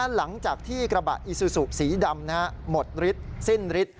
หลังจากที่กระบะอีซูซูสีดำหมดฤทธิสิ้นฤทธิ